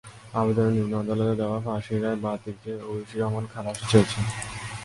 আবেদনে নিম্ন আদালতের দেওয়া ফাঁসির রায় বাতিল চেয়ে ঐশী রহমান খালাস চেয়েছেন।